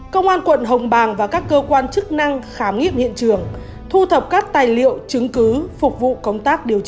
công an quận hồng bàng và các cơ quan chức năng khám nghiệm hiện trường thu thập các tài liệu chứng cứ phục vụ công tác điều tra